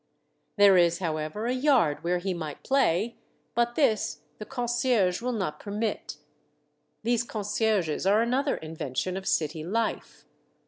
There is, however, a yard where he might play, but this the concierge will not permit. These con cierges are another invention of city life.